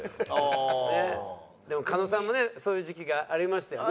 でも狩野さんもねそういう時期がありましたよね。